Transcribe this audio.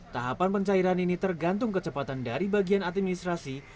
tahapan pencairan ini tergantung kecepatan dari bagian administrasi